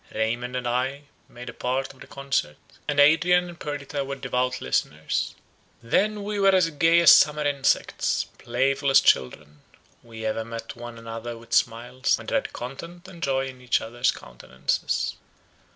Raymond and I made a part of the concert, and Adrian and Perdita were devout listeners. Then we were as gay as summer insects, playful as children; we ever met one another with smiles, and read content and joy in each other's countenances.